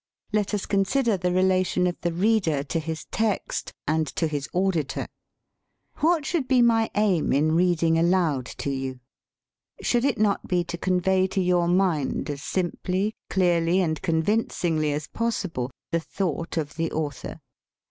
Let us consider the relation of the reader to his text ; and to his 85 THE SPEAKING VOICE auditor. What should be my aim in read ing aloud to you? Should it not be to convey to your mind as simply, clearly, and convincingly as possible the thought of the author?